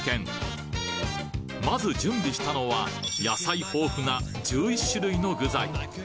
まず準備したのは野菜豊富な１１種類の具材